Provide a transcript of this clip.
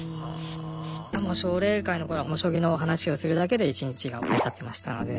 奨励会の頃は将棋の話をするだけで一日が成り立ってましたので。